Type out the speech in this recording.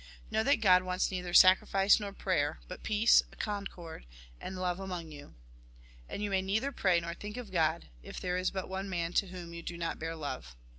Know that God wants neither sacrifice nor prayer, but peace, con cord, and love among you. And you may neither pray, nor think of God, if there is but one man to whom you do not bear love.